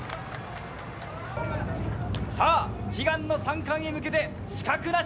さあ、悲願の三冠へ向けて、死角なし。